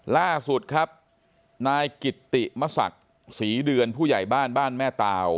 ล่าสุดครับนายกิตติมศักดิ์ศรีเดือนผู้ใหญ่บ้านบ้านแม่ตาว